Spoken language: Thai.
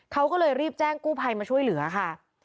เขาก็เลยรีบแจ้งกู้ภัยมาช่วยเหลือค่ะ